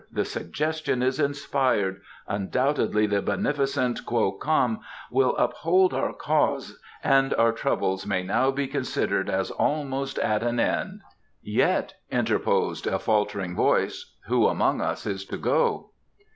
The suggestion is inspired! Undoubtedly the beneficent Kwo Kam will uphold our cause and our troubles may now be considered as almost at an end." "Yet," interposed a faltering voice, "who among us is to go?"